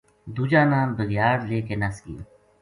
دوجا نا بھگیاڑ لے کے نس گیو